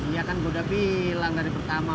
ya kan gue udah bilang dari pertama